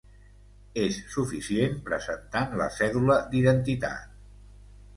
És suficient presentant la cèdula d'identitat.